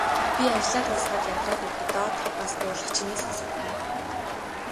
Би ажлаа дуусгаад ядраад ирэхэд доод давхраас дуулах чимээ сонсогдоно.